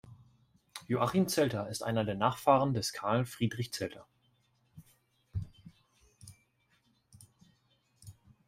Joachim Zelter ist einer der Nachfahren des Carl Friedrich Zelter.